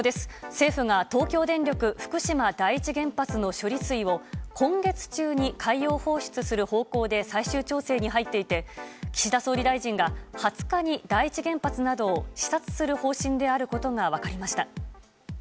政府が東京電力福島第一原発の処理水を今月中に海洋放出する方向で最終調整に入っていて岸田総理大臣が２０日に第一原発などを視察する方針であることが分かりました。